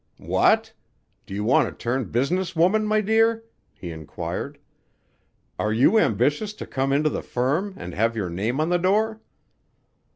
"What! Do you want to turn business woman, my dear?" he inquired. "Are you ambitious to come into the firm and have your name on the door?"